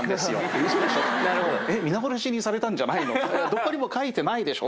どこにも書いてないでしょ